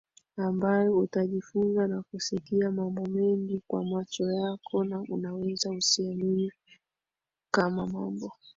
ambayo utajifunza na kusikia mambo mengi kwa macho yako na unaweza usiamini kama mambo